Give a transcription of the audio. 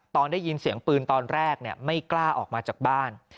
ตอนได้ยินเสียงปืนตอนแรกไม่กล้าออกมาจากบ้าน